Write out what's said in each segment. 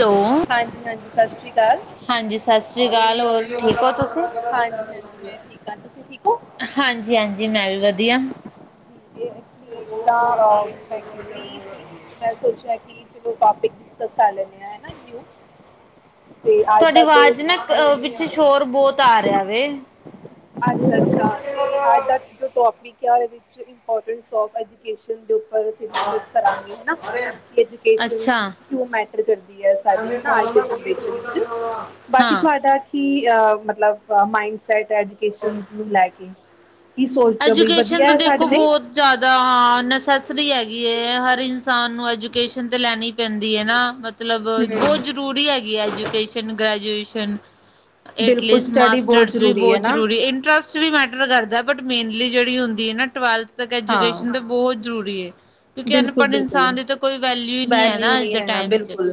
Hello ਹਾਂਜੀ ਹਾਂਜੀ, ਸਤਿ ਸ੍ਰੀ ਅਕਾਲ। ਹਾਂਜੀ, ਸਤਿ ਸ੍ਰੀ ਅਕਾਲ ਹੋਰ ਠੀਕ ਹੋ ਤੁਸੀਂ? ਹਾਂਜੀ ਹਾਂਜੀ ਮੈਂ ਠੀਕ ਹਾਂ ਤੁਸੀਂ ਠੀਕ ਹੋ ਹਾਂਜੀ ਹਾਂਜੀ, ਮੈਂ ਵਧੀਆ। [unintelligible] ਸੀ ਤੇ ਮੈਂ ਸੋਚਿਆ ਕਿ ਚਲੋ ਟੋਪਿਕ ਡਿਸਕਸ ਕਰ ਲੈਂਣੇ ਆ ਐਨਾ ਨਿਉ। ਤੁਹਾਡੀ ਆਵਾਜ਼ ਨਾ ਵਿੱਚ ਸ਼ੋਰ ਬੌਤ ਆ ਰਿਹਾ ਵੇ। ਅੱਛਾ- ਅੱਛਾ, ਤੇ ਅੱਜ ਦਾ ਜੋ ਟੋਪਿਕ ਐ ਔਦੇ ਵਿੱਚ ਇੰਪੋਰਟੈਂਸ ਸੋਫ ਐਜੂਕੇਸ਼ਨ ਦੇ ਉੱਪਰ ਆ ਵਿੱਚ ਕਰਾਂਗੀ ਹੈਨਾ। ਕਿ ਐਜੂਕੇਸ਼ਨ ਅੱਛਾ ਕਿਉਂ ਮੈਟਰ ਕਰਦੀ ਐ, ਸਾਡੀ ਅੱਜ ਦੇ ਜੈਨਰੇਸ਼ਨ ਇਚ। ਬਾਕੀ ਹਾਂ ਤੁਹਾਡਾ ਕੀ ਅ ਮਤਲਬ ਮਾਇੰਡਸੈਟ ਹੈ ਐਜੂਕੇਸ਼ਨ ਨੂੰ ਲੈ ਕੇ? ਕੀ ਸੋਚਦੇ ਹੋ ਬਈ ਵਧੀਆ ਹੈ ਸਾਡੇ ਲਈ। ਜੈਦਾ ਹਾਂ ਨਸੈਸਰੀ ਹੈਗੀ ਏ, ਹਰ ਇਨਸਾਨ ਨੂੰ ਐਜੂਕੇਸ਼ਨ ਤੇ ਲੈਣੀ ਪੈਂਦੀ ਏ ਨਾ ਮਤਲਬ ਬੌਤ ਹੂੰ ਜ਼ਰੂਰੀ ਹੈਗੀ ਏ ਐਜੂਕੇਸ਼ਨ ਗ੍ਰੈਜੂਏਸ਼ਨ। ਬਿਲਕੁਲ ਐਟਲੀਸਟ ਸਟੱਡੀ ਬਹੁਤ ਮਾਸਟਰਸ ਵੀ ਹੈ ਬੌਤ ਨਾ ਜ਼ਰੂਰੀ ਇੰਟਰਸਟ ਚ ਵੀ ਮੈਟਰ ਕਰਦੈ ਬਟ ਮੇਨਲੀ ਜੇੜੀ ਹੂੰਦੀ ਏ ਨਾ ਟਵੈਲਥ ਤਕ ਹਾਂ ਐਜੂਕੇਸ਼ਨ ਤੇ ਬੌਤ ਜ਼ਰੂਰੀ ਏ ਕਿਉਂਕਿ ਅਨਪੜ੍ਹ ਬਿਲਕੁਲ-ਬਿਲਕੁਲ ਇਨਸਾਨ ਦੀ ਤਾਂ ਕੋਈ ਵੈਲਿਊ ਈ ਨੀ ਹੈ ਨਾ ਅੱਜ ਨਹੀਂ ਦੇ ਹੈ ਟਾਈਮ ਚ। ਬਿਲਕੁਲ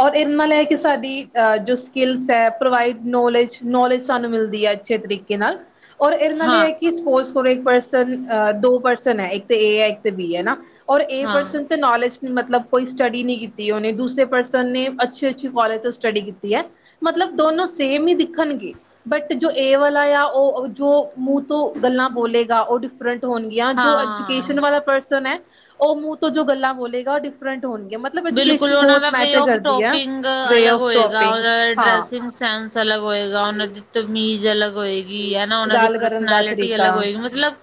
ਔਰ ਇਦੇ ਨਾਲ ਐ ਕਿ ਸਾਡੀ ਜੋ ਸਕਿੱਲਸ ਹੈ ਪ੍ਰੋਵਾਈਡ ਨੌਲੇਜ ਨੌਲੇਜ ਸਾਨੂੰ ਮਿਲਦੀ ਐ ਅੱਛੇ ਤਰੀਕ ਕੇ ਨਾਲ। ਔਰ ਏਦੇ ਨਾਲ ਏ ਹਾਂ ਐ ਕਿ ਸਪੋਸ ਕਰੋ ਇਕ ਪਰਸਨ ਅ ਦੋ ਪਰਸਨ ਹੈ, ਇੱਕ ਤੇ ਏ ਹੈ ਇੱਕ ਤੇ ਬੀ ਐ ਹੈਨਾ। ਔਰ ਏ ਹਾਂ ਪਰਸਨ ਤੇ ਨੌਲੇਜ ਨੀ ਮਤਲਬ ਕੋਈ ਸਟੱਡੀ ਨੀ ਕੀਤੀ, ਔਨੇ ਦੂਸਰੇ ਪਰਸਨ ਨੇ ਅੱਛੀ ਅੱਛੀ ਕੋਲਜ ਤੋ ਸਟੱਡੀ ਕੀਤੀ ਹੈ। ਮਤਲਬ ਦੋਨੋ ਸੇਮ ਹੀ ਦਿਖਣਗੇ। ਬਟ ਜੋ ਏ ਵਾਲਾ ਆ ਔ ਜੋ ਮੂੰਹ ਤੋਂ ਗੱਲਾਂ ਬੋਲੇਗਾ ਓਹ ਡਿਫਰੈਂਟ ਹੋਣ ਯਾ ਜੋ ਹਾਂ ਐਜੂਕੇਸ਼ਨ ਵਾਲਾ ਪਰਸਨ ਹੈ, ਓਹ ਮੂੰਹ ਤੋਂ ਜੋ ਗੱਲਾਂ ਬੋਲੇਗਾ ਔ ਡਿਫਰੈਂਟ ਹੋਣਗੀਆਂ। ਮਤ ਬਿਲਕੁਲ ਓਹਨਾਂ ਦਾ ਵੇ ਆਫ ਟੋਕਿੰਗ ਵੇ ਅਲੱਗ ਆਫ ਹੋਏਗਾ, ਟੋਪਿੰਗ ਔਨਾ ਦੇ ਹਾਂ ਡਰੈਸਿੰਗ ਸੈਂਸ ਅਲੱਗ ਹੋਏਗਾ, ਔਨਾਂ ਦੀ ਤਮੀਜ਼ ਅਲੱਗ ਹੋਏਗੀ ਹੈਨਾ, ਔਨਾਂ ਦੀ ਗੱਲ ਕਰਨ ਦਾ ਪਰਸਨੈਲਿਟੀ ਤਰੀਕਾ ਅਲੱਗ ਹੋਏਗੀ, ਮਤਲਬ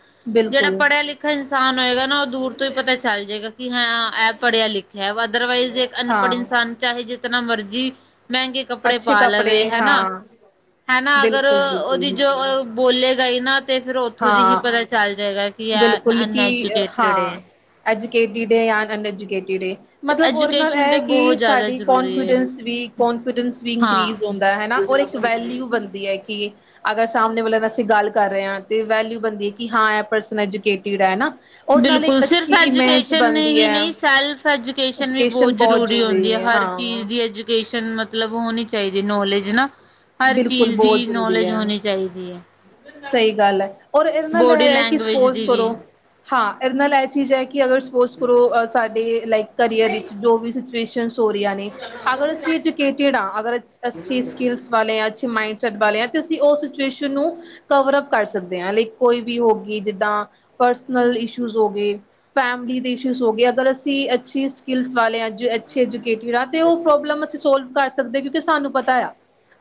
ਜੇੜਾ ਬਿਲਕੁਲ ਪੜਿਆ ਲਿਖ ਖਾ ਇਨਸਾਨ ਹੋਏਗਾ, ਨਾ ਓਹ ਦੂਰ ਤੋਂ ਹੀ ਪਤਾ ਚੱਲ ਜੇਗਾ ਕਿ ਹਾਂ ਐ ਪੜ੍ਹਿਆ ਲਿਖਿਆ ਐ, ਅਦਰਵਾਈਜ਼ ਅਨਪੜ੍ਹ ਹਾਂ ਇਨਸਾਨ ਚਾਹੇ ਜਿਤਨਾ ਮਰਜ਼ੀ ਮੈੰਗੇ ਕੱਪੜੇ ਅੱਛੇ ਪਾ ਲਵੇ ਕੱਪੜੇ ਹੈਨਾ ਹਾਂ ਹੈਨਾ, ਅਗਰ ਬਿਲਕੁਲ ਔਦੀ ਬਿਲਕੁਲ ਜੋ ਬੋਲੇਗਾ ਈ ਨਾ ਤੇ ਫੇਰ ਔਥੋਂ ਦੀ ਹੀ ਹਾਂ ਪਤਾ ਚੱਲ ਜੇਗਾ। ਬਿਲਕੁਲ ਕੀ ਹਾਂ ਐਜੂਕੇਟਿਡ ਏ ਯਾ ਅਨਐਜੂਕੇਟਿਡ ਏ। ਤੇ ਮਤਲਬ ਉਹਦੇ ਨਾਲ ਇਹ ਐਜੂਕੇਸ਼ਨ ਤੇ ਹੈ, ਕਿ ਬਹੁਤ ਜ਼ਿਆਦਾ ਸਾਡੀ ਜ਼ਰੂਰੀ ਹੈ ਕੋਨਫੀਡੈਂਸ ਵੀ ਕੋੋਂਨਫੀਡੈਂਸ ਵੀ ਹਾਂ ਇਨਕਰੀਜ਼ ਹੁੰਦਾ ਹਨਾ ਔਰ ਇੱਕ। ਇੱਕ ਵੈਲਿਊ ਬਣਦੀ ਹੈ, ਕਿ ਅਗਰ ਸਾਹਮਣੇ ਵਾਲਿਆਂ ਨਾਲ ਅਸੀਂ ਗੱਲ ਕਰ ਰਹੇ ਹਾਂ ਤੇ ਵੈਲਿਊ ਬਣਦੀ ਹੈ ਕਿ ਹਾਂ। ਪਰਸਨ ਐਜੂਕੇਟਡ ਹੈ ਨਾ। ਉਹਦੇ ਨਾਲ ਬਿਲਕੁਲ ਇੱਕ ਸਿਰਫ ਅੱਛੀ ਇਮੇਜ ਐਜੂਕੇਸ਼ਨ ਬਣਦੀ ਹੀ ਹੈ ਨਹੀਂ ਸੈਲਫ ਐਜੂਕੇਸ਼ਨ ਵੀ ਬਹੁਤ। ਜ਼ਰੂਰੀ ਹੁੰਦੀ ਹੈ, ਹਰ ਚੀਜ਼ ਦੀ ਐਜੂਕੇਸ਼ਨ ਮਤਲਬ ਹੋਣੀ ਚਾਹੀਦੀ ਹੈ, ਨੌਲੇਜ ਨਾ। ਹਰ ਬਿਲਕੁਲ ਚੀਜ਼ ਬਹੁਤ ਦੀ ਜ਼ਰੂਰੀ ਨੌਲੇਜ ਹੈ ਹੋਣੀ ਚਾਹੀਦੀ ਹੈ। ਸਹੀ ਗੱਲ ਹੈ, ਔਰ ਇਹਦੇ ਨਾਲ ਬੋਡੀ ਇਹ ਕਿ ਲੈਂਗੁਏਜ ਸਪੋਸ ਦੀ ਵੀ ਕਰੋ। ਹਾਂ, ਇਹਦੇ ਨਾਲ ਇਹ ਚੀਜ਼ ਹੈ, ਕਿ ਅਗਰ ਸਪੋਜ ਕਰੋ ਸਾਡੇ ਲਾਈਕ ਕਰੀਅਰ ਵਿੱਚ। ਜੋ ਵੀ ਸਟਰੈਸਨ ਹੋ ਰਹਿਆ, ਨੇ ਅਗਰ ਅਸੀਂ ਐਜੂਕੇਟਡ ਆ ਅਗਰ ਅੱਛੀ ਸਕਿਲਸ। ਤੇ ਅੱਛੇ ਮਾਈੰਡਸੈਟ ਵਾਲੇ ਆ ਤੇ ਅਸੀਂ ਉਹ ਸਿਚੁਏਸ਼ਨ ਨੂੰ। ਕਵਰਅਪ ਕਰ ਸਕਦੇ ਹਾਂ, ਲੇਕਿਨ ਕੋਈ ਵੀ ਹੋਗੀ ਜਿੱਦਾਂ ਪਰਸਨਲ ਇਸ਼ੂ ਜੇ ਹੋਗੇ। ਫੈਮਲੀ ਦੇ ਇਸੂਜ ਹੋ ਗਏ ਅਗਰ ਅਸੀਂ ਅੱਛੀ ਸਕਿਲਸ ਵਾਲੇ ਅੱਜ ਅੱਛੇ ਐਜੂਕੇਟਡ ਆ। ਤੇ ਉਹ ਪ੍ਰੋਬਲਮ ਅਸੀਂ ਸੋਲਵ ਕਰ ਸਕਦੇ ਹਾਂ। ਕਿਉਂਕਿ ਸਾਨੂੰ ਪਤਾ ਆ।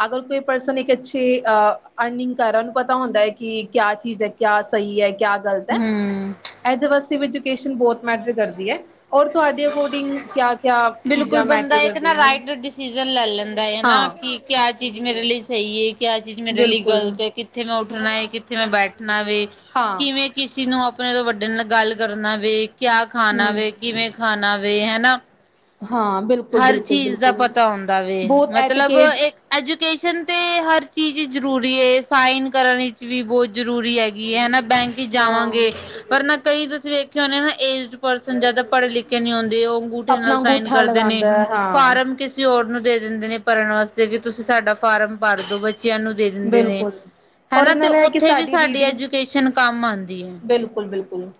ਅਗਰ ਕੋਈ ਪਰਸਨ ਇੱਕ ਅੱਛੇ ਅ ਅਰਨਿੰਗ ਕਰ ਉਹਨੂੰ ਪਤਾ ਹੁੰਦਾ ਹੈ, ਕਿ ਕਿਆ ਚੀਜ਼ ਹੈ, ਕਿਆ ਸਹੀ ਹੈ। ਕਿਆ ਗਲਤ ਹੈ, ਹਮ ਇਹਦੇ ਵਾਸਤੇ ਵੀ ਐਜੂਕੇਸ਼ਨ ਬਹੁਤ ਮੈਟਰ ਕਰਦੀ ਹੈ। ਔਰ ਤੁਹਾਡੇ ਅਕੋਰਡਿੰਗ ਕਿਆ ਕਿਆ ਬਿਲਕੁਲ ਚੀਜ਼ਾਂ ਮੈਟਰ ਬੰਦਾ ਇੱਕ ਨਾ ਕਰਦੀਆਂ, ਰਾਈਟ ਡਿਸੀਜ਼ਨ ਲੈ ਲੈਂਦਾ ਹੈ ਨਾ ਹਾਂ। ਕਿ ਕਿਆ ਚੀਜ਼ ਮੇਰੇ ਲਈ ਸਹੀ ਹੈ, ਕਿਆ ਚੀਜ਼ ਮੇਰੇ ਲਈ ਬਿਲਕੁਲ ਗ਼ਲਤ ਹੈ। ਕਿੱਥੇ ਮੈਂ ਉੱਠਣਾ ਹੈ, ਕਿੱਥੇ ਮੈਂ ਬੈਠਣਾ ਵੇ ਹਾਂ ਕਿਵੇਂ। ਕਿਸੇ ਨੂੰ ਆਪਣੇ ਤੋਂ ਵੱਡੇ ਨਾਲ ਗੱਲ ਕਰਨਾ ਵੇ, ਕਿਆ ਖਾਣਾ ਵੇ, ਹਮ ਕਿਵੇਂ ਖਾਣਾ ਵੇ ਹਨਾ। ਹਾਂ ਬਿਲਕੁਲ। ਹਰ ਬਿਲਕੁਲ ਚੀਜ਼ ਦਾ ਬਿਲਕੁਲ ਪਤਾ ਹੁੰਦਾ ਵੇ ਬਹੁਤ ਮਤਲਬ ਐਟੀਕੇਟਸ ਇੱਕ। ਐਜੂਕੇਸ਼ਨ ਤੇ ਹਰ ਚੀਜ਼ ਜ਼ਰੂਰੀ ਹੈ, ਸਾਈਨ ਕਰਨ ਵਿੱਚ ਵੀ ਬਹੁਤ। ਜ਼ਰੂਰੀ ਹੈਗੀ ਹੈ ਹਨਾ ਬੈਂਕ। ਹਾਂ ਜਾਵਾਂਗੇ ਪਰ ਨਾ ਕਈ ਤੁਸੀਂ ਵੇਖੇ ਹੋਣੇ ਨਾ, ਏਜਡ ਪਰਸਨ ਜਿਆਦਾ ਪੜ੍ਹੇ ਲਿਖੇ ਨਹੀਂ ਆਉਂਦੇ ਉਹ। ਅੰਗੂਠੇ ਆਪਣਾ ਨਾਲ ਸਾਈਨ ਅੰਗੂਠਾ ਕਰਦੇ ਨੇ ਲਗਾਉਂਦਾ ਹੈ ਹਾਂ ਫਾਰਮ ਕਿਸ। ਕਿਸੇ ਹੋਰ ਨੂੰ ਦੇ ਦਿੰਦੇ ਨੇ ਭਰਨ ਵਾਸਤੇ ਕਿ, ਤੁਸੀਂ ਸਾਡਾ ਫਾਰਮ ਭਰਦੋ ਬੱਚਿਆਂ ਨੂੰ ਦੇ ਦਿੰਦੇ ਨੇ। ਬਿਲਕੁਲ ਔਰ ਹਨਾ ਤੇ ਨਾਲ ਹੈ ਕਿ ਉੱਥੇ ਵੀ ਸਾਡੀ ਰੀਡਿੰਗ ਐਜੂਕੇਸ਼ਨ ਕੰਮ ਆਉਂਦੀ ਹੈ। ਬਿਲਕੁਲ ਬਿਲਕੁਲ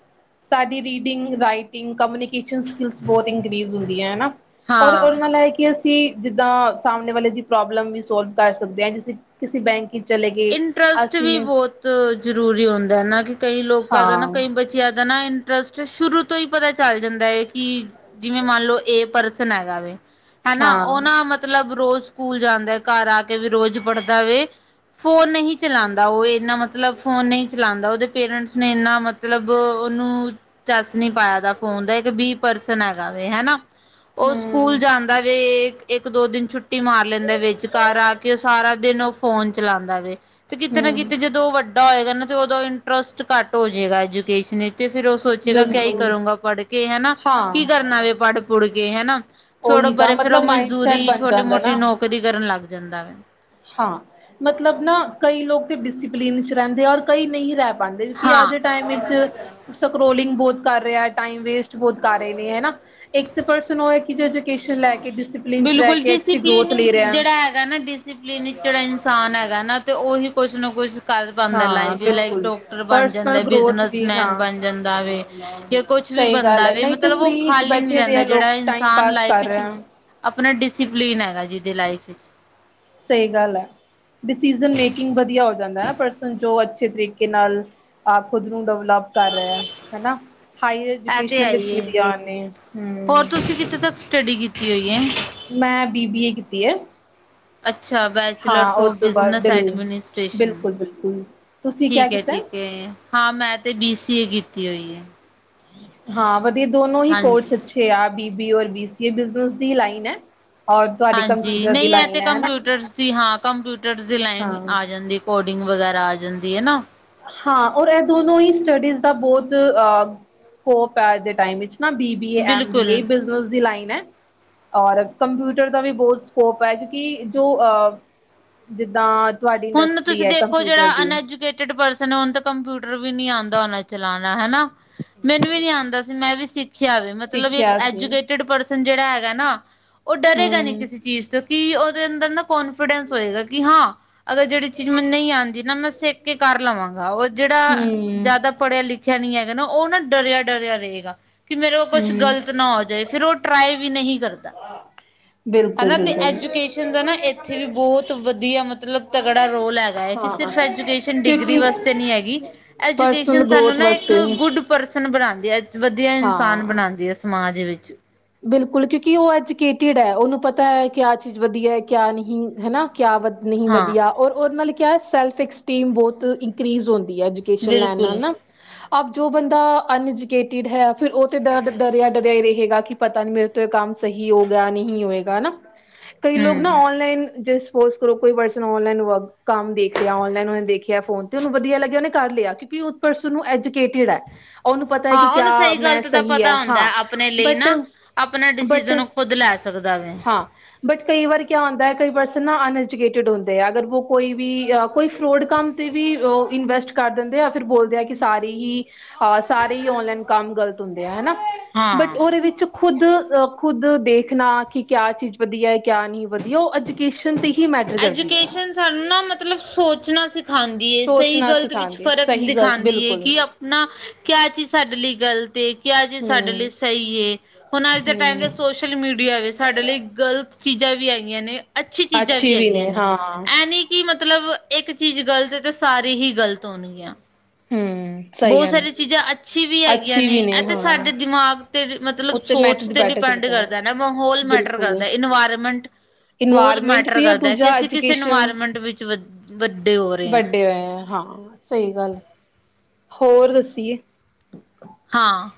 ਸਾਡੀ ਰੀਡਿੰਗ, ਰਾਈਟਿੰਗ। ਵੀ ਕਮਿਊਨੀਕੇਸ਼ਨ ਸਕਿਲਸ ਬਹੁਤ ਇੰਕਰੀਜ਼ ਹੁੰਦੀ ਹੈ, ਹਨਾ ਹਾਂ ਔਰ ਮੰਨ ਲਾ ਇੱਕ। ਕਿ ਅਸੀਂ ਜਿੱਦਾਂ ਸਾਹਮਣੇ ਵਾਲੇ ਦੀ ਪ੍ਰੋਬਲਮ ਵੀ ਸੋਲਵ ਕਰ ਸਕਦੇ ਹਾਂ, ਅਸੀਂ ਕਿਸੇ ਬੈਂਕ। ਕਿ ਚਲੇ ਗਏ। ਇੰਟਰਸਟ ਵੀ ਅਸੀਂ ਬਹੁਤ ਜ਼ਰੂਰੀ ਹੁੰਦਾ ਨਾ ਕਿ ਕਈ ਲੋਕਾਂ ਦਾ ਨਾ ਹਾਂ ਕਈ ਬੱਚੇ। ਜਿਆਦਾ ਨਾ ਇੰਟਰਸਟ ਸ਼ੁਰੂ ਤੋਂ ਹੀ ਪਤਾ ਚੱਲ ਜਾਂਦਾ ਹੈ, ਕਿ। ਜਿਵੇਂ ਮੰਨ ਲਓ ਏ ਪਰਸਨ ਹੈਗਾ ਵੇ। ਹਨਾ ਹਾਂ ਉਹ ਨਾ ਮਤਲਬ ਰੋਜ਼ ਸਕੂਲ ਜਾਂਦਾ ਘਰ ਆ ਕੇ ਵੀ ਰੋਜ਼ ਪੜ੍ਹਦਾ ਵੇ। ਫੋਨ ਨਹੀਂ ਚਲਾਉਂਦਾ ਉਹ ਇਨਾ ਮਤਲਬ ਫੋਨ ਨਹੀਂ ਚਲਾਉਂਦਾ ਉਹਦੇ ਪੇਰੈਂਟਸ ਨੇ ਇਨਾਂ। ਮਤਲਬ ਉਹਨੂੰ ਚੱਸ ਨੀ ਪਾਇਆ ਗਾ, ਫੋਨ ਦਾ ਇੱਕ ਬੀ ਪਰਸਨ ਹੈਗਾ ਵੇ ਹਨਾ। ਉਹ ਸਕੂਲ ਹਮ ਜਾਂਦਾ ਵੇ। ਇੱਕ ਦੋ ਦਿਨ ਛੁੱਟੀ ਮਾਰ ਲੈਂਦਾ ਵਿਚ ਘਰ ਆ ਕੇ ਉਹ ਸਾਰਾ ਦਿਨ ਉਹ ਫੋਨ ਚਲਾਉਂਦਾ ਵੇ। ਤੇ ਜਿੱਥੇ ਨਾ ਹਮ ਜਿੱਥੇ ਜਦੋਂ ਉਹ ਵੱਡਾ ਹੋਏਗਾ, ਨਾ ਤੇ ਉਦੋਂ। ਟਰੱਸਟ ਘੱਟ ਹੋ ਜੇਗਾ ਐਜੂਕੇਸ਼ਨ ਵਿਚ ਫਿਰ ਉਹ ਸੋਚੇਗਾ ਕਿਆ ਬਿਲਕੁਲ ਕਰੂੰਗਾ ਪੜ੍ਹ ਕੇ ਹਨਾ। ਹਾਂ ਕੀ ਕਰਨਾ ਵੇ ਪੜ ਪੜ੍ਹ ਕੇ ਹਨਾ, ਛੋੜੋ ਉਹੀ ਤਾਂ ਪਰੇ ਫੇਰ ਉਹ ਮਤਲਬ ਮਾਇੰਡ ਸੈਟ ਮਜ਼ਦੂਰੀ ਬਣ ਛੋਟੀ ਜਾਂਦਾ ਮੋਟੀ ਨੌਕਰੀ। ਨਾ ਨੌਕਰੀ ਕਰਨ ਲੱਗ ਜਾਂਦਾ ਵਾ। ਹਾਂ ਮਤਲਬ ਨਾ ਕਈ ਲੋਕ ਤੇ ਡਿਸਿਪਲਿਨ 'ਚ ਰਹਿੰਦੇ ਆ ਔਰ ਕਈ ਨਹੀਂ ਰਹਿੰਦੇ। ਬਣਦੇ ਕਿ ਅੱਜ ਹਾਂ ਦੇ ਟਾਈਮ ਵਿੱਚ। ਸਕਰੋਲਿੰਗ ਬਹੁਤ ਕਰ ਰਿਹਾ, ਟਾਈਮ ਵੇਸਟ ਬਹੁਤ ਕਰ ਰਹੇ ਨੇ ਹਨਾ ਇੱਕ ਤੇ ਪਰਸਨ ਉਹ ਕਿ ਜੇ। ਐਜੂਕੇਸ਼ਨ ਲੈ ਕੇ ਡਿਸਪਲਿਨ 'ਚ ਰਹੇ ਬਿਲਕੁਲ ਕੇ ਅੱਛੀ ਗਰੋਥ ਡਿਸਿਪਲਿਨ ਲੈ ਰਿਹਾ ਹੈ। ਜਿਹੜਾ ਹੈਗਾ ਨਾ ਡਿਸਿਪਲਿਨ ਜਿਹੜਾ ਇਨਸਾਨ ਹੈਗਾ, ਨਾ ਤੇ ਉਹੀ ਕੁਛ ਨਾ ਕੁਛ। ਕਰ ਪਾਉਦਾ ਹਾਂ ਲਾਈਫ ਲਾਈਕ ਬਿਲਕੁਲ ਡਾਕਟਰ ਬਣ ਜਾਂਦਾ ਪਰਸਨਲ ਹੈ, ਗਰੋਥ ਬਿਜ਼ਨਸ ਵੀ ਮੈਨ ਹਾਂ ਬਣ ਜਾਂਦਾ ਵੇ। ਕੁਛ ਵੀ ਸਹੀ ਗੱਲ ਬਣਦਾ ਹੈ ਵੇ ਨਹੀਂ ਤਾਂ ਮਤਲਬ ਉਹ ਫ੍ਰਰੀ ਚ ਖਾਲੀ ਨੀ ਬੈਠੇ ਦੇ ਆ ਰਹਿੰਦਾ ਲੋਕ ਜਿਹੜਾ ਟਾਈਮ ਇਨਸਾਨ ਪਾਸ ਲਾਈਫ। ਕਰ ਰਹੇ ਵਿੱਚ ਆ। ਆਪਣਾ ਡਿਸਸੀਪਲੀਨ ਹੈਗਾ, ਜਿਹਦੇ ਲਾਈਫ ਵਿੱਚ ਸਹੀ ਗੱਲ ਹੈ। ਡਿਸੀਜ਼ ਮੇਕਿੰਗ ਵਧੀਆ ਹੋ ਜਾਂਦਾ ਹੈ, ਪਰਸਨ ਜੋ ਅੱਛੇ ਤਰੀਕੇ ਨਾਲ। ਆ ਖੁਦ ਨੂੰ ਡਿਵਲਪ ਕਰ ਰਹੇ ਹੈ ਹਨਾ। ਹਾਇਰ ਇਹ ਤੇ ਐਜੂਕੇਸ਼ਨ ਹੈ ਹੀ ਲਿੱਤੀ ਹੈ ਦੀ ਆਨ ਨੇ ਹੂੰ। ਸਟਡੀ ਕੀਤੀ [unintelligible] ਮੈਂ ਬੀ ਬੀ ਏ ਕੀਤੀ ਹੈ। ਅੱਛਾ ਹਾਂ ਬੈਚਲਰਸ ਉਹ ਫ ਤੋਂ ਬਾਅਦ ਬਿਜਨਸ ਬਿਲ ਐਡਮਿਨਿਸਟ੍ਰੇਸ਼ਨ। ਬਿਲਕੁਲ ਬਿਲਕੁਲ ਤੁਸੀਂ ਕਿਆ ਠੀਕ ਹੈ ਕੀਤਾ ਠੀਕ ਹੈ, ਹਾਂ ਮੈਂ ਤੇ ਬੀ ਸੀ ਏ ਕੀਤੀ ਹੋਈ ਹੈ। ਹਾਂ ਵਧੀਆ ਦੋਨੋ ਹੀ ਹਾਂਜੀ ਕੋਰਸ ਅੱਛੇ ਆ ਬੀ ਬੀ ਔਰ ਬੀ ਬਨਸ ਦੀ ਲਾਈਨ ਹੈ। ਔਰ ਤੁਹਾਡੇ ਹਾਂਜੀ ਕੰਪਿਊਟਰ ਦੀ ਨਹੀਂ ਇਹ ਤੇ ਲਾਈਨ ਹੈ ਹਨਾ ਕੰਪਿਊਟਰਸ ਦੀ ਹਾਂ ਕੰਪਿਊਟਰਸ ਦੀ ਲਾਈਨ ਹਾਂ ਆ ਜਾਂਦੀ। ਕੋਡਿੰਗ ਵਗੈਰਾ ਆ ਜਾਂਦੀ ਹੈ ਨਾ। ਹਾਂ ਔਰ ਇਹ ਦੋਨੋ ਹੀ ਸਟੱਡੀਜ਼ ਦਾ ਬਹੁਤ ਅ ਸਕੋਪਮ ਨਾ ਬੀ ਬੀ ਬਿਲਕੁਲ ਬੀਏ ਬ ਦੀ ਲਾਈਨ ਹੈ। ਔਰ ਕੰਪਿਊਟਰ ਦਾ ਵੀ ਬਹੁਤ ਸਕੋਪ ਹੈ ਕਿਉਂਕਿ ਜੋ ਅ ਜਿੱਦਾਂ ਤੁਹਾਡੀ ਹੁਣ ਇੰਡਸਟਰੀ ਤੁਸੀਂ ਹੈ ਦੇਖੋ ਕੰਪਿਊਟਰ ਜਿਹੜਾ ਦੀ ਅਨਐਜੂਕੇਟ ਕਈ ਪਰਸਨ ਕੰਪਿਊਟਰ ਵੀ ਨੀ ਆਂਦਾ ਚਲਾਣਾ ਹਨ। ਮੈਨੂੰ ਵੀ ਨੀ ਆਉਂਦਾ ਸੀ ਮੈਂ ਵੀ ਸਿੱਖ ਮਤਲਬ ਇੱਕ ਸਿੱਖਿਆ ਸੀ ਐਜੂਕੇਟੀਡ ਪਰਸਨ ਜਿਹੜਾ ਹੈਗਾ, ਨਾ ਉਹ ਡਰੇਗਾ ਨੀ ਹਮ ਕਿਸੇ ਚੀਜ਼ ਤੋਂ ਕਿ ਉਹਦੇ ਅੰਦਰ ਨਾ ਕੋਨਫੀਡੈਂਸ ਹੋਏਗਾ ਕਿ ਹਾਂ ਅਗਰ ਜਿਹੜੀ ਚੀਜ਼ ਮੈ ਨਹੀਂ ਆਉਂਦੀ, ਨਾ ਮੈਂ ਸਿੱਖ ਕੇ ਕਰ ਲਵਾਂਗਾ ਉਹ ਜਿਹੜਾ ਹਮ ਜ਼ਿਆਦਾ ਪੜ੍ਹਿਆ ਲਿਖਿਆ ਨਹੀਂ ਹੈਗਾ, ਨਾ ਉਹ ਨਾ ਡਰਿਆ ਡਰਿਆ ਰਹੇਗਾ। ਕਿ ਮੇਰੇ ਕੋਲ ਕੁਛ ਹਮ ਗ਼ਲਤ ਨਾ ਹੋ ਜਾਏ ਫਿਰ ਉਹ ਟਰਾਈ ਵੀ ਨਹੀਂ ਕਰਦਾ। ਬਿਲਕੁਲ ਹਨਾ ਤੇ ਬਿਲਕੁਲ ਐਜੂਕੇਸ਼ਨ ਦਾ ਨਾ ਇੱਥੇ ਵੀ ਬਹੁਤ ਵਧੀਆ ਮਤਲਬ ਤਗੜਾ ਰੋਲ ਹੈਗਾ ਹੈ ਕਿ ਹਾਂ ਸਿਰਫ ਐਜੂਕੇਸ਼ਨ ਡਿਗਰੀ ਕਿਉਂਕਿ ਵਾਸਤੇ ਨਹੀਂ ਹੈਗੀ ਪਰਸਨਲ ਐਜੂਕੇਸ਼ਨ ਸਾਨੂੰ ਗਰੋਥ ਨਾ ਇੱਕ ਵਾਸਤੇ ਇੱਕ ਗੁੱਡ ਪਰਸਨ ਬਣਾਉਂਦੀ ਹੈ ਵਧੀਆ ਇਨਸਾਨ ਹਾਂ ਬਣਾਉਂਦੀ ਹੈ ਸਮਾਜ ਵਿੱਚ। ਬਿਲਕੁਲ ਕਿਉਂਕਿ ਉਹ ਐਜੂਕੇਟਿਡ ਹੈ ਉਹਨੂੰ ਪਤਾ ਹੈ ਕਿਆ ਚੀਜ਼ ਵਧੀਆ ਹੈ ਕਿਆ ਨਹੀਂ ਹੈ ਕਿਆ ਵ ਨਹੀਂ ਹਾਂ ਵਧੀਆ ਔਰ ਉਹਦੇ ਨਾਲ ਕਿਹਾ ਸੈਲਫ ਐਕਸਟਰੀਮ ਬਹੁਤ ਇਨਕਰੀਜ਼ ਹੁੰਦੀ ਹੈ। ਇਸ ਲਾਈਨ ਬਿਲਕੁਲ ਨਾਲ ਨਾ ਆਪ ਜੋ ਬੰਦਾ ਅਨਜਿਗੇਟਿਡ ਹੈ। ਫਿਰ ਉਹ ਤੇ ਡਰ ਡਰਿਆ ਡਰਿਆ ਹੀ ਰਹੇਗਾ ਕਿ ਪਤਾ ਨੀ ਮੇਰੇ ਤੋਂ ਇਹ ਕੰਮ ਸਹੀ ਹੋ ਗਿਆ ਨਹੀਂ ਹੋਏਗਾ ਨਾ ਕਈ ਲੋਕ ਨਾ ਹਮ ਔਨਲਾਈਨ ਜ ਉਸ ਕੋਲੋਂ ਕੋਈ ਪਰਸਨ ਕੋਈ ਆਨਲਾਈਨ ਹੋਇਆ। ਕੰਮ ਦੇਖ ਰਿਹਾ ਔਨਲਾਈਨ ਦੇਖਿਆ ਫੋਨ ਤੇ ਉਹਨੂੰ ਵਧੀਆ ਲੱਗਿਆ ਓਹਨੇ ਕਰ ਲਿਆ ਕਿਉਕਿ ਪਰਸਨ ਅਜੂਕੇਟਡ ਹੈ। ਉਹਨੂੰ ਪਤਾ ਹੈ ਹਾਂ ਕਿ ਕਿਆ ਉਹਨੂੰ ਸਹੀ ਮੈਂ ਗਲਤ ਦਾ ਸਹੀ ਹੈ ਪਤਾ ਹੁੰਦਾ ਹਾਂ ਆਪਣੇ ਲਈ ਬਟ ਨਾ ਆਪਣਾ ਬਟ ਡਿਸੀਜ਼ਨ ਖੁਦ ਲੈ ਸਕਦਾ ਵੇ। ਹਾਂ ਬਟ ਕਈ ਵਾਰ ਕਿਆ ਹੁੰਦਾ ਕਈ ਪਰਸਨ ਨਾ ਅਨਐਜੂਕੇਟਡ ਹੁੰਦੇ ਆ ਅਗਰ ਵ ਕੋਈ ਵੀ ਕੋਈ ਫਰੋਡ ਕੰਮ ਤੇ ਵੀ ਇਨਵੈਸਟ ਕਰ ਦਿੰਦੇ ਆ ਫਿਰ ਬੋਲਦੇ ਆ ਕਿ ਸਾਰੀ ਹੀ ਹ ਸਾਰੇ ਹੀ ਔਨਲਾਈਨ ਕੰਮ ਗ਼ਲਤ ਹੁੰਦੇ ਆ ਹਨਾ ਬਟ ਹਾਂ ਉਹਦੇ ਵਿੱਚ ਖੁਦ ਖੁਦ ਦੇਖਣਾ ਕਿ ਕਿਆ ਚੀਜ਼ ਵਧੀਆ ਹੈ ਕਿਆ ਨਹੀਂ ਵਧੀਆ ਉਹ ਅੱਜਕੇ ਹੀ ਮੈਡੀ। ਐਜੂਕੇਸ਼ਨ ਸਾਨੂੰ ਨਾ ਮਤਲਬ ਸੋਚਣਾ ਸਿਖਾਉਂਦੀ ਏ ਸਹੀ ਸੋਚਣਾ ਗਲਤ ਵਿੱਚ ਸਿਖਾਂਦੇ ਫ਼ਰਕ ਸਹੀ ਗ਼ਲਤ ਦਿਖਾਉਂਦੀ ਹੈ ਬਿਲਕੁਲ ਕਿ ਆਪਣਾ ਕਿਆ ਚੀਜ਼ ਸਾਡੇ ਲਈ ਗਲਤ ਹੈ। ਕਿਹਾ ਚੀਜ਼ ਸਾਡੇ ਹਮ ਲਈ ਸਹੀ ਏ ਹੁਣ ਅੱਜ ਦੇ ਟਾਈਮ ਹਮ ਦੇ ਸੋਸ਼ਲ ਮੀਡੀਆ ਵਿੱਚ ਸਾਡੇ ਲਈ ਗਲਤ ਚੀਜ਼ਾਂ ਵੀ ਹੈਗੀਆਂ ਨੇ ਅੱਛੀ ਚੀਜ਼ਾਂ ਵੀ ਹੈਗੀਆਂ। ਇਹ ਨੀ ਕਿ ਮਤਲਬ ਇੱਕ ਚੀਜ਼ ਗ਼ਲਤ ਤੇ ਸਾਰੀ ਹੀ ਗ਼ਲਤ ਹੋਣਗੀਆਂ ਹਮ। ਸਹੀ ਬਹੁਤ ਗੱਲ ਹੈ, ਸਾਰੀ ਚੀਜ਼ਾਂ ਅੱਛੀ ਵੀ ਹੈਗੀਆਂ ਅੱਛੀ ਨੇ ਵੀ ਇਹ ਤੇ ਹਾਂ ਸਾਡੇ ਦਿਮਾਗ ਤੇ ਮਤਲਬ ਸੋਚ ਤੇ ਡਿਪੈਂਡ ਕਰਦਾ ਨਾ ਮਾਹੌਲ ਮੈਟਰ ਕਰਦਾ ਇਨਵਾਇਰਮੈਂਟ। ਬਹੁੱਤ ਇਨਵਾਇਰਮੈਂਟ ਮੈਟਰ ਵੀ ਔਰ ਕਰਦਾ ਹੈ ਦੂਜਾ ਕਿ ਅਸੀਂ ਕਿਸੇ ਐਜੂਕੇਸ਼ਨ ਇਨਵਾਇਰਮੈਂਟ ਵਿੱਚ ਵੱਡੇ ਹੋ ਰਹੇ ਹਾਂ। ਵੱਡੇ ਹੋਏ ਹੈ ਹਾਂ ਸਹੀ ਗੱਲ ਹੋਰ ਦੱਸੀਏ ਹਾਂ।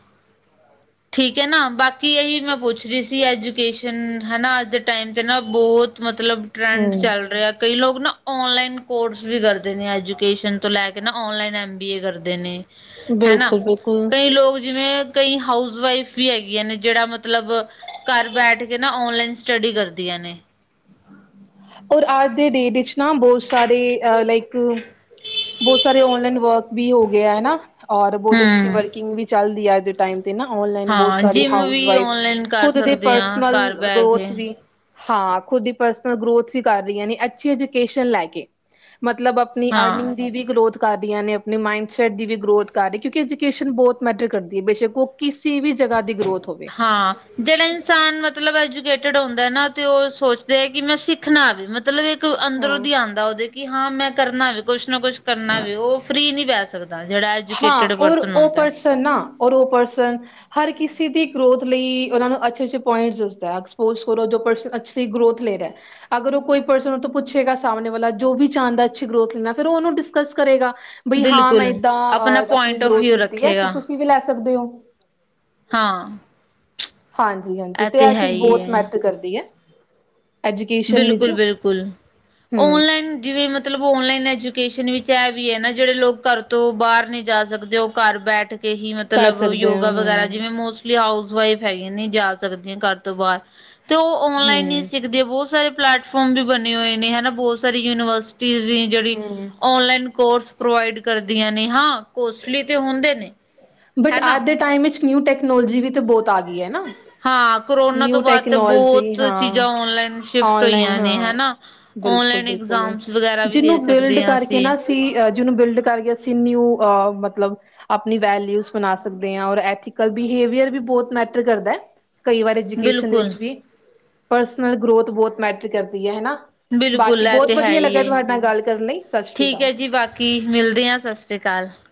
ਠੀਕ ਹੈ ਨਾ ਬਾਕੀ ਇਹੀ ਮੈਂ ਪੁੱਛ ਰਹੀ ਸੀ ਐਜੂਕੇਸ਼ਨ ਹਨਾ ਅੱਜ ਦੇ ਟਾਈਮ 'ਤੇ ਨਾ ਬਹੁੱਤ ਮਤਲੱਬ ਟਰੈਂਡ ਚੱਲ ਹਮ ਰਿਹਾ। ਕਈ ਲੋਕ ਨਾ ਔਨਲਾਈਨ ਕੋਰਸ ਵੀ ਕਰਦੇ ਨੇ ਐਜੂਕੇਸ਼ਨ ਤੋਂ ਲੈ ਕੇ ਨਾ ਔਨਲਾਈਨ ਐੱਮ ਬੀ ਏ ਕਰਦੇ ਨੇ। ਹਨਾ ਬਿਲਕੁਲ ਬਿਲਕੁਲ ਕਈ ਲੋਕ ਜਿਵੇਂ ਕਈ ਹਾਊਸ ਵਾਈਫ ਵੀ ਹੈਗੀਆਂ ਨੇ ਜਿਹੜਾ ਮਤਲੱਬ ਘਰ ਬੈਠ ਕੇ ਨਾ ਓਨਲਾਈਨ ਸਟੱਡੀ ਕਰਦੀਆਂ ਨੇ। ਔਰ ਅੱਜ ਦੀ ਡੇਟ ਵਿੱਚ ਨਾ ਬਹੁਤ ਸਾਰੇ ਅ ਲਾਈਕ ਬਹੁੱਤ ਸਾਰੇ ਓਨਲਾਈਨ ਵਰਕ ਵੀ ਹੋ ਗਏ ਹਨਾ ਔਰ ਬਹੁਤ ਅੱਛੀ ਹੂੰ ਵਰਕਿੰਗ ਵੀ ਚੱਲਦੀ ਆ ਅੱਜ ਦੇ ਟਾਈਮ ਤੇ ਨਾ ਔਨਲਾਈਨ ਬਹੁੱਤ ਹਾਂ ਜਿੰਮ ਹਾਊਸ ਵੀ ਵਾਈਫ ਔਨਲਾਈਨ ਕਰ ਖੁੱਦ ਦੇ ਸਕਦੇ ਹਾਂ ਘਰ ਪਰਸਨਲ ਬਹਿ ਗਰੋਥ ਕੇ ਵੀ ਹਾਂ। ਖ਼ੁਦ ਦੀ ਪਰਸਨਲ ਗਰੋਥ ਵੀ ਕਰ ਰਹੀਆਂ ਨੇ ਅੱਛੀ ਐਜੂਕੇਸ਼ਨ ਲੈ ਕੇ ਮਤਲੱਬ ਆਪਣੀ ਹਾਂ ਅਰਨਿੰਗ ਦੀ ਵੀ ਗਰੋਥ ਕਰ ਰਹੀਆਂ ਨੇ ਆਪਣੀ ਮਾਈੰਡਸੈਟ ਦੀ ਵੀ ਗਰੋਥ ਕਰ ਰਹੀ ਕਿਉਂਕਿ ਐਜੂਕੇਸ਼ਨ ਬਹੁੱਤ ਮੈਟਰ ਕਰਦੀ ਹੈ ਬੇਸ਼ੱਕ ਉਹ ਕਿਸੇ ਵੀ ਜਗ੍ਹਾ ਦੀ ਗਰੋਥ ਹੋਵੇ। ਹਾਂ। ਜਿਹੜਾ ਇਨਸਾਨ ਮਤਲੱਬ ਐਜੂਕੇਟਡ ਹੁੰਦਾ ਨਾ ਤੇ ਉਹ ਸੋਚ ਜੇ ਕਿ ਮੈਂ ਸਿੱਖਣਾ ਵੀ ਮਤਲੱਬ ਇੱਕ ਅੰਦਰੋਂ ਹਾਂ ਦੀ ਆਉਂਦਾ ਉਹਦੇ ਕਿ ਹਾਂ ਮੈਂ ਕਰਨਾ ਵੀ ਕੁੱਛ ਨਾ ਕੁੱਛ ਕਰਨਾ ਵੀ ਉਹ ਫ੍ਰੀ ਨਹੀਂ ਪੈ ਸਕਦਾ। ਜਿਹੜਾ ਐਜੂਕੇਟਡ ਪਰਸਨ ਹੁੰਦਾ। ਪਰ ਨਾ ਔਰ ਉਹ ਪਰਸਨ ਹਰ ਕਿਸੇ ਦੀ ਗਰੋਥ ਲਈ ਓਨਾ ਨੂੰ ਅੱਛੇ ਅੱਛੇ ਪੁਆਇੰਟ ਦਸਦਾ ਐਕਸਪੋਜ ਕਰੋ ਜੋ ਤੇ ਗਰੋਥ ਲੈ ਰਿਹਾ। ਅਗਰ ਉਹ ਕੋਈ ਪਰਸਨ ਉਹ ਤੋਂ ਪੁੱਛੇਗਾ ਸਾਹਮਣੇ ਵਾਲਾ ਜੋ ਵੀ ਚਾਂਣਦਾ ਹੈ, ਅੱਛੀ ਗਰੋਥ ਲੈਣਾ ਫਿਰ ਉਹਨੂੰ ਡਿਸਕਸ ਕਰੇਗਾ। ਬਈ ਹਾਂ ਮੈਂ ਬਿਲਕੁੱਲ ਇੱਦਾਂ ਆਪਣਾ ਅ ਆਪਣੀ ਪੁਆਇੰਟ ਫਿਰ ਗਰੋਥ ਵਿਊ ਲਿੱਤੀ ਹੈ ਰੱਖੇਗਾ। ਤੇ ਤੁਸੀਂ ਵੀ ਲੈ ਸਕਦੇ ਹੋ। ਹਾਂ, ਹਾਂਜੀ-ਹਾਂਜੀ ਤੇ ਇਹ ਹੈ ਚੀਜ਼ ਹੀ ਬਹੁਤ ਹੈ ਮੈਟਰ ਕਰਦੀ ਹੈ। ਐਜੂਕੇਸ਼ਨ ਵਿੱਚ ਬਿਲਕੁੱਲ-ਬਿਲਕੁੱਲ, ਹਮ ਔਨਲਾਈਨ ਜਿਵੇਂ ਮਤਲੱਬ ਔਨਲਾਈਨ ਐਜੂਕੇਸ਼ਨ ਵਿੱਚ ਇਹ ਵੀ ਹੈ, ਨਾ ਜਿਹੜੇ ਲੋਕ ਘਰ ਤੋਂ ਬਾਹਰ ਨਹੀਂ ਜਾ ਸਕਦੇ, ਉਹ ਘਰ ਬੈਠ ਕੇ ਹੀ ਕਰ ਮਤਲੱਬ ਸਕਦੇ ਹਾਂ ਯੋਗਾ ਵਗੈਰਾ ਹਮ ਜਿਵੇਂ ਮੋਸਂਮ ਹਾਊਸ ਵਾਈਫ ਹੈਗੀ, ਨਹੀਂ ਜਾ ਸਕਦੀਆਂ ਘਰ ਤੋਂ ਬਾਹਰ ਤੇ ਉਹ ਔਨਲਾਈਨ ਨਹੀਂ ਹਮ ਸਿੱਖਦੇ ਬਹੁਤ ਬਹੁਤ ਸਾਰੇ ਪਲੈਟਫਾਰਮ ਵੀ ਬਣੇ ਹੋਏ ਨੇ ਹਨਾ, ਬਹੁਤ ਸਾਰੀ ਯੂਨੀਵਰਸਿਟੀਜ਼ ਵੀ ਜਿਹੜੀ ਹਮ ਔਨਲਾਈਨ ਕੋਰਸ ਪ੍ਰੋਵਾਈਡ ਕਰਦੀਆਂ ਨੇ ਹਾਂ, ਕੋਸਟਲੀ ਤੇ ਹੁੰਦੇ ਨੇ ਬੱਟ ਹਨਾ ਅੱਜ ਦੇ ਟਾਈਮ ਵਿੱਚ ਨਿਊ ਟੈਕਨੋਲੋਜੀ ਵੀ ਤਾਂ ਬਹੁੱਤ ਆ ਗਈ ਹੈ ਨਾ ਹਾਂ ਕਰੋਨਾ ਨਿਊ ਤੋਂ ਬਾਅਦ ਤੇ ਟੈਕਨੋਲੋਜੀ ਬਹੁਤ ਹਾਂ ਚੀਜ਼ਾਂ ਔਨਲਾਈਨ ਸ਼ਿਫਟ ਔਨਲਾਈਨ ਹੋਈਆਂ ਨੇ ਹਾਂ ਹਨਾ। ਬਿਲਕੁਲ ਔਨਲਾਈਨ ਬਿਲਕੁਲ ਇਗਜ਼ਾਮਸ ਵਗੈਰਾ ਵੀ ਜਿਹਨੂੰ ਦੇ ਬਿਲਡ ਸਕਦੇ ਹਾਂ ਕਰਕੇ ਅਸੀਂ, ਨਾ ਅਸੀਂ ਜਿਹਨੂੰ ਬਿਲਡ ਕਰਕੇ ਅਸੀਂ ਨਿਊ ਅਹ ਮਤਲੱਬ ਆਪਣੀ ਵੈਲਿਊਸ ਬਣਾ ਸਕਦੇ ਹਾਂ, ਔਰਥਕਲ ਬੀਹੇਵਿਅਰ ਵੀ ਬਹੁੱਤ ਮੈਟਰ ਕਰਦਾ। ਕਈ ਵਾਰ ਐਜੂਕੇਸ਼ਨ ਦੇ ਬਿਲਕੁਲ ਵਿੱਚ ਵੀ ਪਰਸਨਲ ਗਰੋਥ ਬਹੁਤ ਮੈਟਰ ਕਰਦੀ ਹੈ ਹਨਾ। ਬਾਕੀ ਬਿਲਕੁਲ ਇਹ ਬਹੁਤ ਤੇ ਹੈ ਵਧੀਆ ਹੀ ਲੱਗਿਆ ਏ ਤੁਹਾਡੇ ਨਾਲ ਗੱਲ ਕਰਨ, ਲਈ ਸਤਿ ਸ੍ਰੀ ਅਕਾਲ, ਹੈ ਜੀ ਠੀਕ ਮਿਲਦੇ ਆਂ, ਸਤਿ ਸ਼੍ਰੀ ਅਕਾਲ,